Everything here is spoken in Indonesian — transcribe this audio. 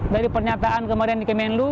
dari pernyataan kemarin di kemenlu